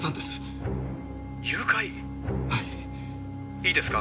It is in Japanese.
「いいですか？